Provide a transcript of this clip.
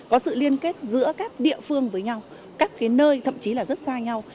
có sự liên kết giữa các địa phương với nhau các cái nơi thậm chí là rất xa nhau